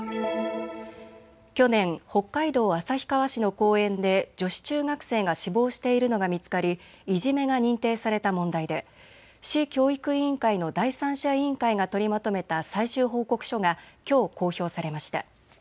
去年、北海道旭川市の公園で女子中学生が死亡しているのが見つかりいじめが認定された問題で市教育委員会の第三者委員会が取りまとめた最終報告書がきょう公表されました。